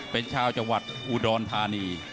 เป็นชาวจังหวัดอุดรธานี